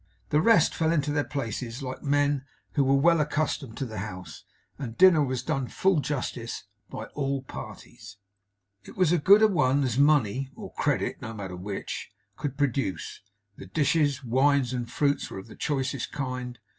The rest fell into their places like men who were well accustomed to the house; and dinner was done full justice to, by all parties. It was a good a one as money (or credit, no matter which) could produce. The dishes, wines, and fruits were of the choicest kind.